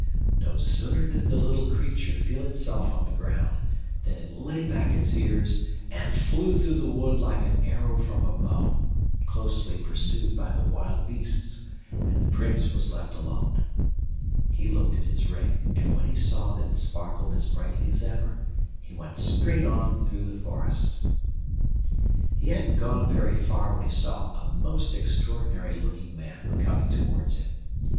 No sooner did the little creature feel itself on the ground than it lay back its ears and flew through the wood like an arrow from a bow, closely pursued by the wild beasts, and the Prince was left alone. He looked at his ring, and when he saw that it sparkled as brightly as ever he went straight on through the forest. He hadn't gone very far when he saw a most extraordinary looking man coming towards him.